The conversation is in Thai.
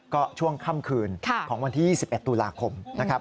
ก็ช่วงค่ำคืนของวันที่๒๑ตุลาคมนะครับ